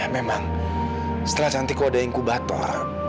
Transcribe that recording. memang setelah cantik kode yang kubatur